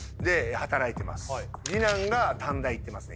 はい次男が短大行ってますね